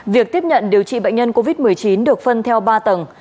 việc tiếp nhận điều trị bệnh nhân covid một mươi chín được phân theo ba tầng